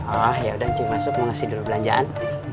oh yaudah cuy masuk mau kasih dulu belanjaan